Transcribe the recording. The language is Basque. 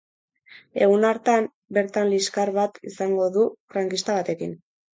Egun hartan bertan liskar bat izango du frankista batekin.